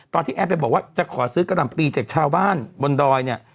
ตอนที่แอ้นไปบอกว่าจะขอซื้อกรามปีเด็กชาวบ้านบนดอยนี่